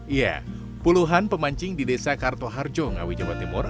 iya puluhan pemancing di desa kartoharjo ngawi jawa timur